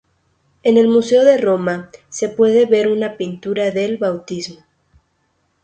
En el Museo de Roma se puede ver una pintura del bautismo.